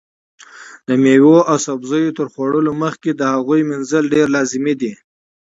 د مېوې او سبزیو تر خوړلو مخکې د هغو مینځل ډېر لازمي دي.